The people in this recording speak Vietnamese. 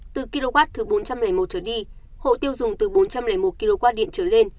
từ kw thứ bốn trăm linh một trở đi hộ tiêu dùng từ bốn trăm linh một kw điện trở lên